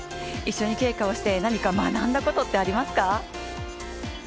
一緒に稽古をして何か学んだことってありますか。